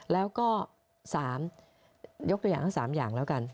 แล้วก็๓ยกตัวอย่างทั้ง๓อย่างแล้วกัน